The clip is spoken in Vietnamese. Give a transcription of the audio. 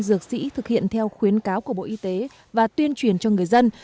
dược sĩ thực hiện theo khuyến cáo của bộ y tế và tuyên truyền cho người dân